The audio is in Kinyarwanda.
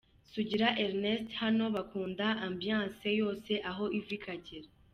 Sugira Ernest: Hano bakunda ambiance yose aho iva ikagera.